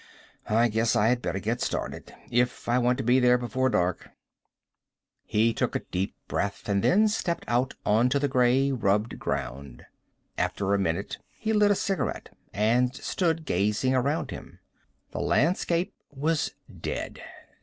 "I guess I had better get started, if I want to be there before dark." He took a deep breath and then stepped out onto the gray, rubbled ground. After a minute he lit a cigarette and stood gazing around him. The landscape was dead.